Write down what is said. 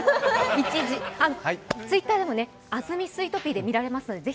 ツイッターでも「安住スイートピー」で見られますので、是非。